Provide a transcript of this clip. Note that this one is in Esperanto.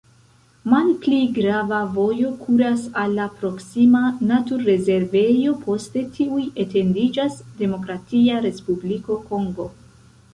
Malpli grava vojo kuras al la proksima naturrezervejo, poste tuj etendiĝas Demokratia Respubliko Kongo.